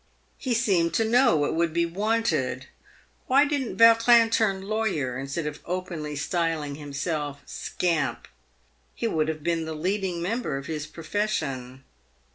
He seemed to know it would be wanted. Why didn't Yautrin turn lawyer, instead of openly styling himself scamp ? He would have been the leading member of his profession.